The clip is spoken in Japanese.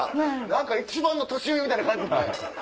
何か一番の年上みたいな感じない？